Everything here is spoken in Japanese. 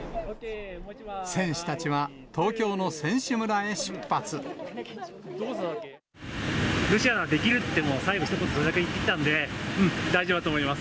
選手たちは東京の選手村へ出ルシアならできるって、最後それだけ言ってきたので、大丈夫だと思います。